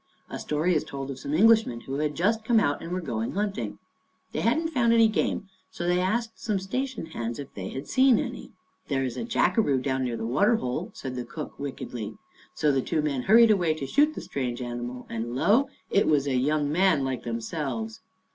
A story is told of some Englishmen who had just come out and were going hunting. They hadn't found any game and so they asked some station hands if they had seen any. ' There's a jackaroo down near the water hole,' said the cook, wickedly, so the two men hurried away to shoot the strange animal, and lo ! it was a young man like themselves."